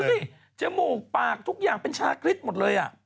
จมูกปากทุกอย่างเป็นชาคริสหมดเลย